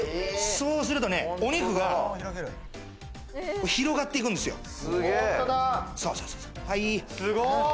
そうするとね、お肉が広がっていくんですよ。